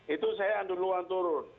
itu saya andur luar turun